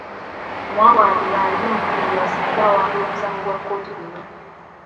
Omuwawaabirwa alina okuliyirirwa singa awangula omusango gwa kkooti guno.